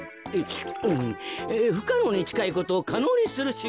ふかのうにちかいことをかのうにするしゅぎょうじゃ。